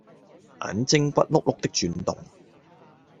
眼睛骨碌碌的轉動